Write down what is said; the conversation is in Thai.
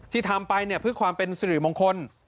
ทำไปเนี่ยเพื่อความเป็นสิริมงคล